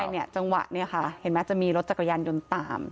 เนี่ยจังหวะเนี่ยค่ะเห็นไหมจะมีรถจักรยานยนต์ตาม